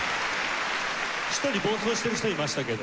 １人暴走してる人いましたけど。